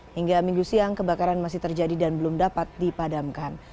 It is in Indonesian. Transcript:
hingga minggu siang kebakaran masih terjadi dan belum dapat dipadamkan